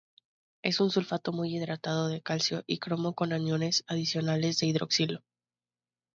Es un sulfato muy hidratado de calcio y cromo con aniones adicionales de hidroxilo.